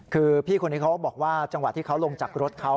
คือพี่คนนี้เขาบอกว่าจังหวะที่เขาลงจากรถเขา